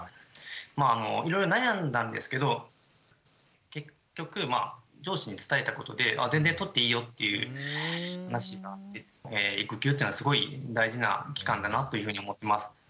まああのいろいろ悩んだんですけど結局上司に伝えたことで「ああ全然取っていいよ」っていう話になってですね育休というのはすごい大事な期間だなというふうに思ってます。